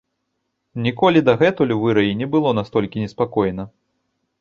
Ніколі дагэтуль у выраі не было настолькі неспакойна.